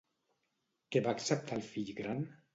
Què va acceptar el fill gran?